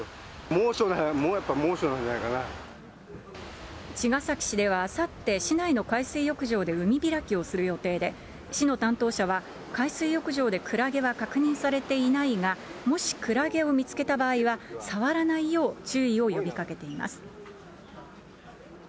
猛暑、茅ヶ崎市ではあさって、市内の海水浴場で海開きをする予定で、市の担当者は、海水浴場でクラゲは確認されていないが、もしクラゲを見つけた場合は、触らないよう注意を呼びかけています。